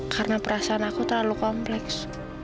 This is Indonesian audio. karena perasaan aku terlalu kompleks